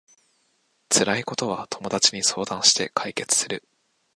辛いことは友達に相談して解決する